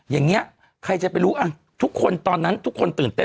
อย่างนี้ใครจะไปรู้ทุกคนตอนนั้นทุกคนตื่นเต้น